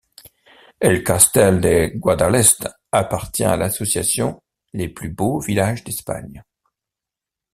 El Castell de Guadalest appartient à l'association Les Plus Beaux Villages d'Espagne.